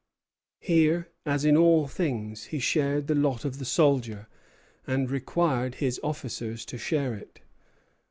Here, as in all things, he shared the lot of the soldier, and required his officers to share it.